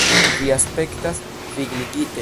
Vi aspektas vigligite.